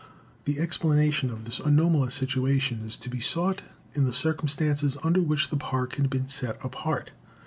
The explanation of this anomalous situation is to be sought in the circumstances under which the Park had been set apart.